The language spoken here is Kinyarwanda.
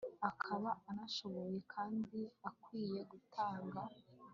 akaba anashoboye kandi akwiye gutanga